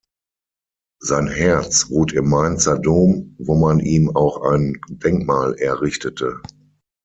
Sein Herz ruht im Mainzer Dom, wo man ihm auch ein Denkmal errichtete.